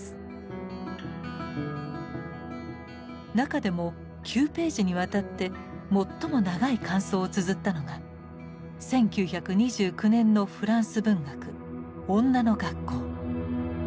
中でも９ページにわたって最も長い感想をつづったのが１９２９年のフランス文学「女の学校」。